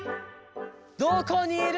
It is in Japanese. どこにいるの？